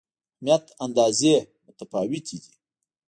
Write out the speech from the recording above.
اهمیت اندازې متفاوتې دي.